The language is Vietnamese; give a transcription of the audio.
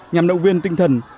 nhằm động viên tinh thần